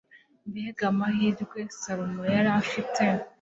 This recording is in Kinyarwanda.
mbega amahirwe salomo yari afite